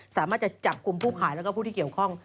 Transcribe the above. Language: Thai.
สามารถจะจับกลุ่มผู้ขายแล้วก็ผู้ที่เกี่ยวข้อง